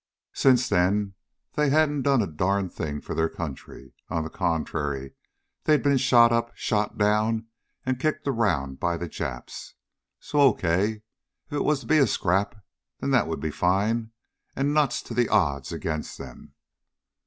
Since then they hadn't done a darn thing for their country. On the contrary, they'd been shot up, shot down, and kicked around by the Japs. So okay. If it was to be a scrap, then that would be fine, and nuts to the odds against them!